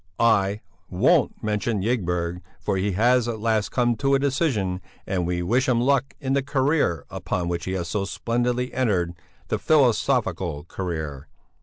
I won't mention Ygberg, for he has at last come to a decision, and we wish him luck in the career upon which he has so splendidly entered the philosophical career.